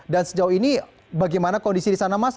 dan sejauh ini bagaimana kondisi di sana mas